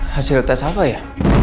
hasil tes apa ya